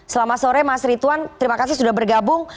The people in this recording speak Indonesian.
selama sore mas ritwan terima kasih sudah bergabung